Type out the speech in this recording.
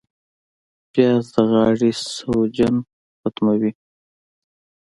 پیاز د غاړې سوجن ختموي